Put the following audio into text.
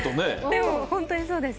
でも本当にそうです。